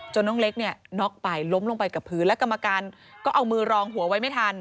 น้องเล็กเนี่ยน็อกไปล้มลงไปกับพื้นแล้วกรรมการก็เอามือรองหัวไว้ไม่ทัน